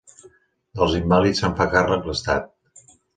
Dels invàlids se'n farà càrrec l'Estat.